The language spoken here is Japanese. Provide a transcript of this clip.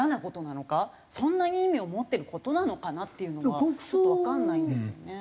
そんなに意味を持ってる事なのかなっていうのがちょっとわかんないんですよね。